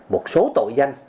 một số tội danh